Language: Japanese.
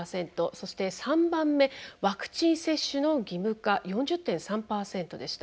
そして、３番目「ワクチン接種の義務化」４０．３％でした。